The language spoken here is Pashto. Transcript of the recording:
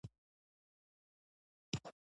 افغانستان د اوړي لپاره مشهور دی.